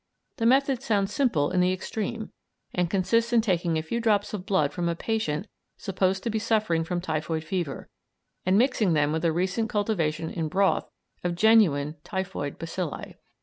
The method sounds simple in the extreme, and consists in taking a few drops of blood from a patient supposed to be suffering from typhoid fever and mixing them with a recent cultivation in broth of genuine typhoid bacilli.